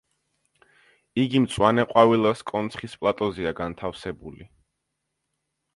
იგი მწვანეყვავილას კონცხის პლატოზეა განთავსებული.